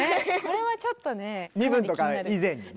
身分とか以前にね。